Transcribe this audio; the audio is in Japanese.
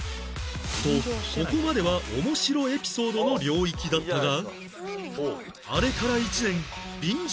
とここまでは面白エピソードの領域だったが